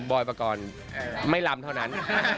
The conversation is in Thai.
อยปกรณ์ไม่ลำเท่านั้น